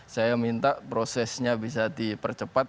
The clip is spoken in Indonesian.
saya minta prosesnya bisa dipercepat